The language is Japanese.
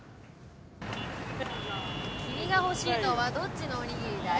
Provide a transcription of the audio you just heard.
・君が欲しいのはどっちのおにぎりだい？